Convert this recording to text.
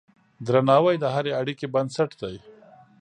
درناوی د هرې اړیکې بنسټ دی.